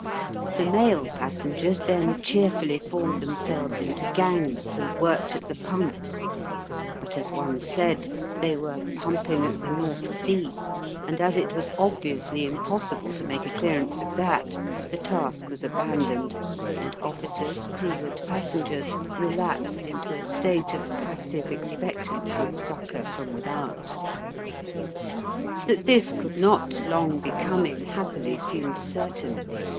The male passengers then cheerfully formed themselves into gangs and worked at the pumps, but, as one said, they "were pumping at the North Sea," and as it was obviously impossible to make a clearance of that, the task was abandoned, and officers, crew, and passengers relapsed into a state of passive expectancy of succour from without. That this could not long be coming happily seemed certain.